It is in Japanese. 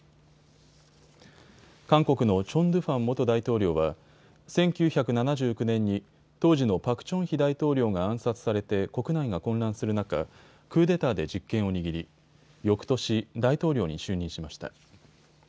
韓国のチョン・ドゥファン元大統領は、１９７９年に当時のパク・チョンヒ大統領が暗殺されて国内が混乱する中、クーデターで実権を握りよくとし、大統領に就任しました。